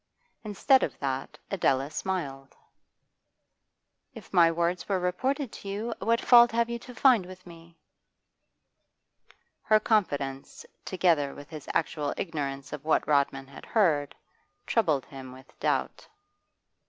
Instead of that Adela smiled. 'If my words were reported to you, what fault have you to find with me?' Her confidence, together with his actual ignorance of what Rodman had heard, troubled him with doubt.